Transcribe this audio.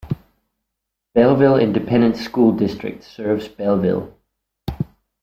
Bellville Independent School District serves Bellville.